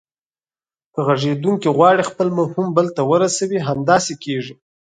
که غږیدونکی غواړي خپل مفهوم بل ته ورسوي همداسې کیږي